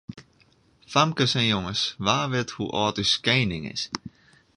Famkes en jonges, wa wit hoe âld as ús kening is?